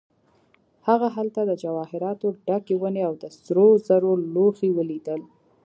هغه هلته د جواهراتو ډکې ونې او د سرو زرو لوښي ولیدل.